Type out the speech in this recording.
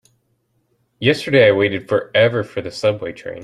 Yesterday I waited forever for the subway train.